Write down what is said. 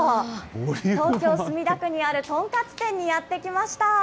東京・墨田区にある豚カツ店にやって来ました。